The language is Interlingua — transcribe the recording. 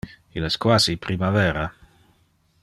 Il es quasi primavera.